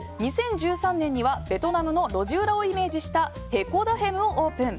２０１３年にはベトナムの路地裏をイメージしたエコダヘムをオープン。